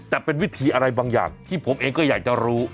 แต่เป็นวิธีอะไรบางอย่างที่ผมเองก็อยากจะรู้